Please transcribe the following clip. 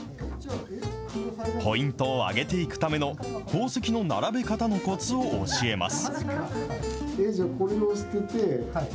ポイントを挙げていくための、宝石の並べ方のこつを教えます。